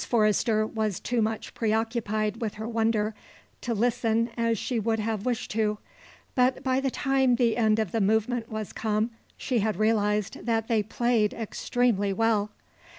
Forrester was too much preoccupied with her wonder to listen as she would have wished to, but by the time the end of the movement was come she had realized that they played extremely well.